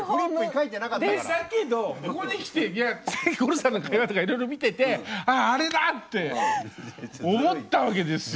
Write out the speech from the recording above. いや五郎さんの会話とかいろいろ見ててあああれだって思ったわけですよ。